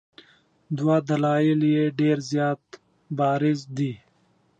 دوه دلایل یې ډېر زیات بارز دي.